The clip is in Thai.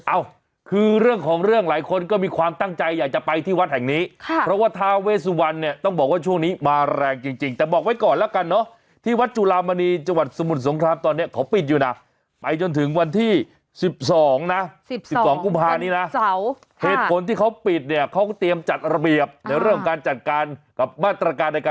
เอ้าคือเรื่องของเรื่องหลายคนก็มีความตั้งใจอยากจะไปที่วัดแห่งนี้ค่ะเพราะว่าทาเวสวันเนี่ยต้องบอกว่าช่วงนี้มาแรงจริงแต่บอกไว้ก่อนแล้วกันเนอะที่วัดจุลามณีจังหวัดสมุทรสงครามตอนนี้เขาปิดอยู่นะไปจนถึงวันที่๑๒นะ๑๑๒กุมภานี้นะเหตุผลที่เขาปิดเนี่ยเขาก็เตรียมจัดระเบียบในเรื่องของการจัดการกับมาตรการในการ